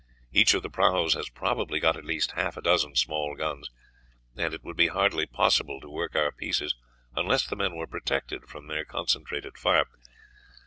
Each of the prahus has probably got at least half a dozen small guns, and it would be hardly possible to work our pieces unless the men were protected from their concentrated fire.